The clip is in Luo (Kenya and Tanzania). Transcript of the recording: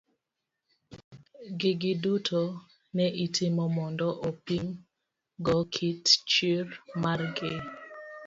Gigi duto ne itimo mondo opim go kit chir mar gi.